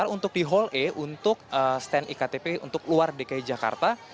untuk stand iktp untuk luar dki jakarta